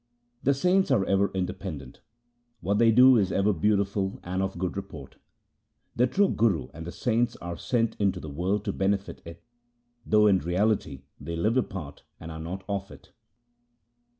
The saints are ever independent. What they do is ever beautiful and of good report. The true Guru and the saints are sent into the world to benefit it, though in reality they live apart and are not of it.'